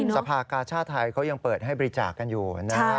สภาคกาช่าไทยเขายังเปิดให้บริจักษ์กันอยู่นะ